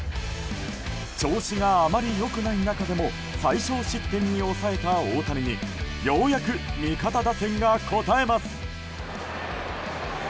調子があまり良くない中でも最少失点に抑えた大谷にようやく味方打線が応えます。